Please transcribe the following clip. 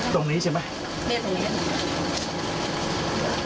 ตรงนี้ใช่ไหม